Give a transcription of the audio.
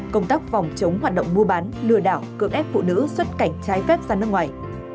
công tác phòng chống hoạt động mua bán lừa đảo cưỡng ép phụ nữ xuất cảnh trái phép ra nước ngoài